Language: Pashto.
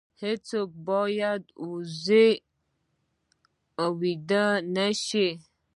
هیڅوک باید وږی ونه ویده شي.